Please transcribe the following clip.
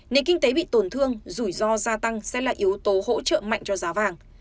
nền kinh tế bị tổn thương rủi ro gia tăng sẽ là yếu tố hỗ trợ mạnh cho giá vàng